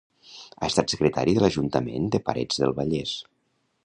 Ha estat secretari de l'ajuntament de Parets del Vallès.